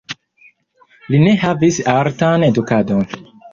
Li ne havis artan edukadon.